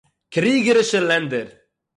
קריגערישע לענדער